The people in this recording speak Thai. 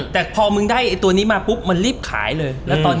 แต่พอมึงได้ตัวนี้มาปุ๊บมันรีบขายเลย